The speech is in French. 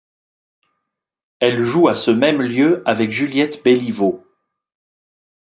Elle joue à ce même lieu avec Juliette Béliveau.